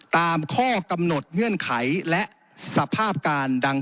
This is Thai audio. ตามข้อกำหนดเงื่อนไขและสภาพการดัง